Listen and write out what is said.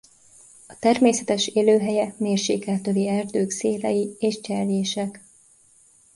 A természetes élőhelye mérsékelt övi erdők szélei és cserjések.